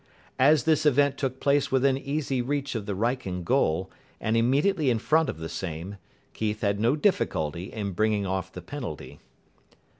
As this event took place within easy reach of the Wrykyn goal, and immediately in front of the same, Keith had no difficulty in bringing off the penalty.